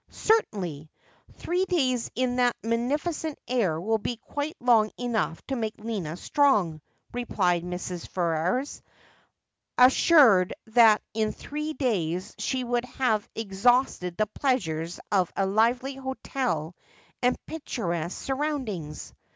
' Certainly. Three days in that magnificent air will be quite long enough to make Lina strong,' replied Mrs. Ferrers, assured that in three days she would have exhausted the pleasures of a lively hotel and picturesque surroundings.